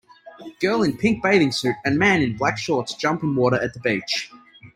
Girl in pink bathing suit and man in black shorts jump in water at the beach.